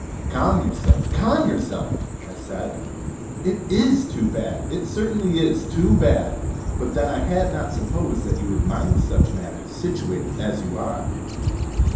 "Calm yourself, calm yourself," I said. "It is too bad it is certainly too bad, but then I had not supposed that you would much mind such matters situated as you are."